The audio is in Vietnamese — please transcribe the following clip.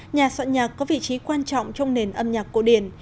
nhà soạn nhạc có vị trí quan trọng trong nền âm nhạc cổ điển